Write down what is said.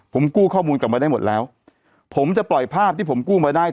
ผมกู้ข้อมูลกลับมาได้หมดแล้วผมจะปล่อยภาพที่ผมกู้มาได้